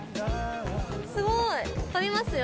すごい撮りますよ